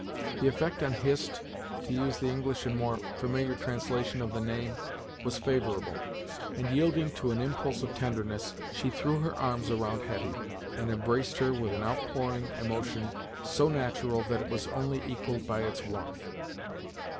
The effect on Hist, to use the English and more familiar translation of the name, was favorable, and yielding to an impulse of tenderness, she threw her arms around Hetty, and embraced her with an outpouring emotion, so natural that it was only equaled by its warmth.